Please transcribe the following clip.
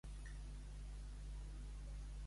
Rata per quantitat.